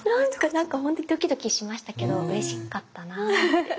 何かほんとドキドキしましたけどうれしかったな。